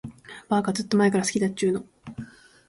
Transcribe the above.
ばーか、ずーっと前から好きだっちゅーの。